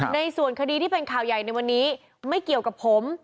ในส่วนคดีที่เป็นข่าวใหญ่ในวันนี้ไม่เกี่ยวกับผม